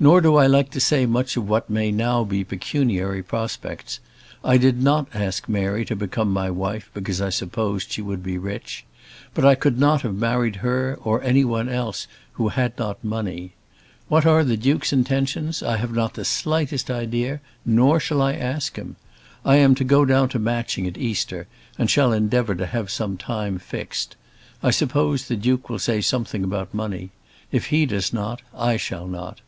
Nor do I like to say much of what may now be pecuniary prospects. I did not ask Mary to become my wife because I supposed she would be rich. But I could not have married her or any one else who had not money. What are the Duke's intentions I have not the slightest idea, nor shall I ask him. I am to go down to Matching at Easter, and shall endeavour to have some time fixed. I suppose the Duke will say something about money. If he does not, I shall not.